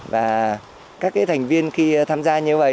và các thành viên khi tham gia như vậy